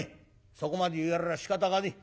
「そこまで言われりゃしかたがねえ。